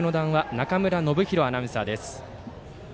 中村信博アナウンサーです。